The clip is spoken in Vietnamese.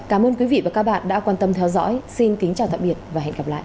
cảm ơn quý vị và các bạn đã quan tâm theo dõi xin kính chào tạm biệt và hẹn gặp lại